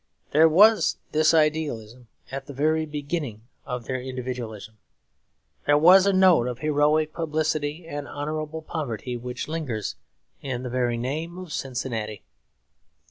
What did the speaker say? There was this idealism at the very beginning of their individualism. There was a note of heroic publicity and honourable poverty which lingers in the very name of Cincinnati.